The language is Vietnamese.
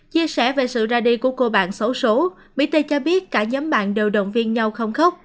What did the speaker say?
chia sẻ về sự ra đi của cô bạn xấu xố mỹ t cho biết cả nhóm bạn đều đồng viên nhau không khóc